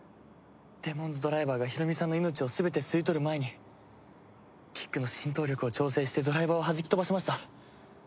デモンズドライバーがヒロミさんの命を全て吸い取る前にキックの浸透力を調整してドライバーをはじき飛ばしました。